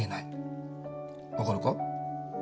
分かるか？